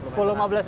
iya sepuluh meter